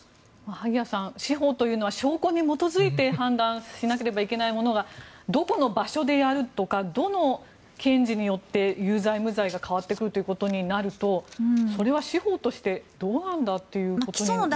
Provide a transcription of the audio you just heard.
萩谷さん、司法というのは証拠に基づいて判断しなければいけないものがどこの場所でやるとかどの検事によって有罪無罪が変わってくるということになるとそれは司法としてどうなんだということにもならないでしょうか。